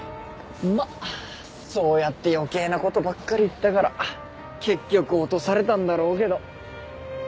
まあそうやって余計な事ばっかり言ったから結局落とされたんだろうけど。